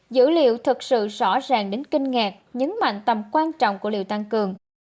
dữ liệu thật sự rõ ràng đến kinh ngạc nhấn mạnh tầm quan trọng của liều tăng cường